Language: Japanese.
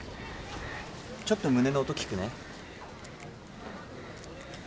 ちょっと胸の音聞くね。